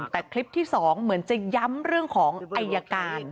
แต่คลิปที่๒เหมือนจะย้ำเรื่องของอายการ